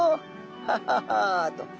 「ハハハ」と。